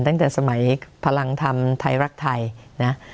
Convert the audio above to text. ตั้งแต่สมัยพลังธรรมไทยรักไทยนะ